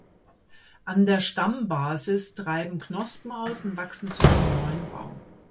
An der Stammbasis treiben Knospen aus und wachsen zu einem neuen Baum.